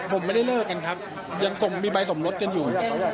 ผมไม่ได้เลิกกันครับยังมีใบสมรสกันอยู่